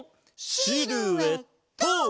シルエット！